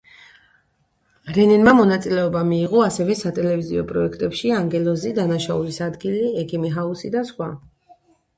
რენერმა მონაწილეობა მიიღო ასევე სატელივიზიო პროექტებში: „ანგელოზი“, „დანაშაულის ადგილი“, „ექიმი ჰაუსი“ და სხვა.